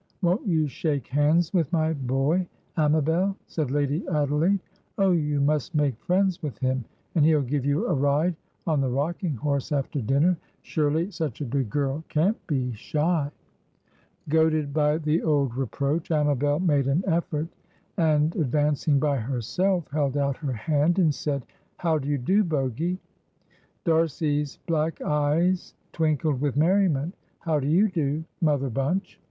"Won't you shake hands with my boy, Amabel?" said Lady Adelaide. "Oh, you must make friends with him, and he'll give you a ride on the rocking horse after dinner. Surely such a big girl can't be shy?" Goaded by the old reproach, Amabel made an effort, and, advancing by herself, held out her hand, and said, "How do you do, Bogy?" D'Arcy's black eyes twinkled with merriment. "How do you do, Mother Bunch?"